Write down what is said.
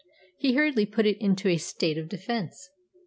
He hurriedly put it into a state of defence.